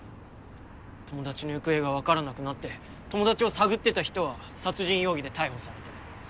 友達の行方が分からなくなって友達を探ってた人は殺人容疑で逮捕されて。